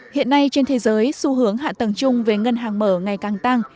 hiện nay trên thế giới xu hướng hạ tầng chung với ngân hàng mở ngày càng tăng